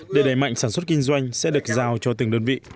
để đẩy mạnh sản xuất kinh doanh sẽ được giao cho từng đơn vị